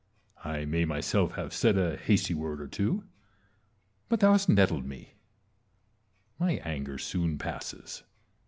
I may myself have said a hasty word or two ; but thou hast nettled me. My anger soon passes.